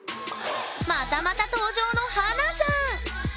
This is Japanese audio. またまた登場の華さん！